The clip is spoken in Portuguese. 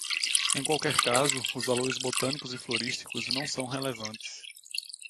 Em qualquer caso, os valores botânicos e florísticos não são relevantes.